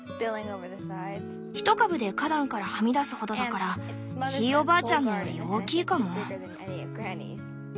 一株で花壇からはみ出すほどだからひいおばあちゃんのより大きいかも。